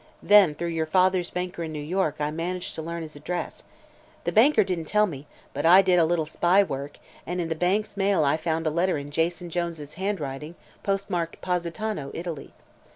Then, through your father's banker in New York I managed to learn his address. The banker didn't tell me, but I did a little spy work and in the bank's mail I found a letter in Jason Jones' handwriting postmarked 'Positano, Italy.'